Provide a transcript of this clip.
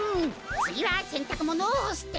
つぎはせんたくものをほすってか！